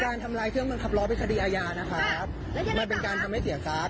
ทำลายเครื่องบังคับล้อเป็นคดีอาญานะครับมันเป็นการทำให้เสียทรัพย